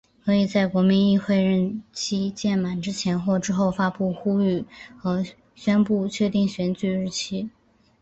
可以在国民议会任期届满之前或之后发布呼吁和宣布确定选举日期。